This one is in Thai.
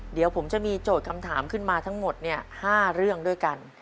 เดี๋ยวผมจะมีโจทย์คำถามขึ้นมาทั้งหมด๕เรื่องด้วยกัน